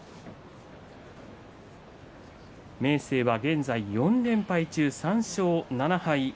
明生は現在４連敗中、３勝７敗。